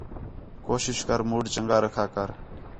کوشش کر مُوڈ چَنڳا رکھا کر